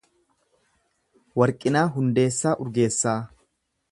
Warqinaa Hundeessaa Urgeessaa